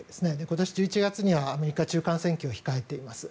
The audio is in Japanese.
今年１１月にはアメリカは中間選挙を控えています。